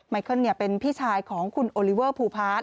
เคิลเป็นพี่ชายของคุณโอลิเวอร์ภูพาร์ท